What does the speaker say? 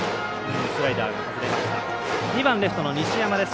２番レフトの西山です。